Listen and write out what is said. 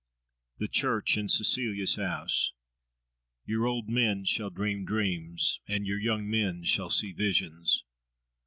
THE CHURCH IN CECILIA'S HOUSE "Your old men shall dream dreams, and your young men shall see visions."